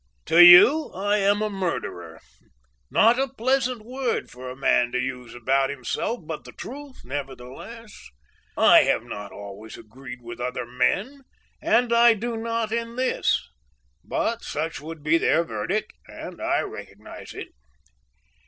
"To you I am a murderer: not a pleasant word for a man to use about himself; but the truth, nevertheless. I have not always agreed with other men, and I do not in this, but such would be their verdict and I recognize it.